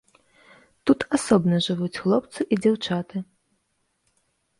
Тут асобна жывуць хлопцы і дзяўчаты.